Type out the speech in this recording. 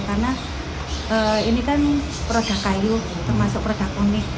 karena ini kan produk kayu termasuk produk unik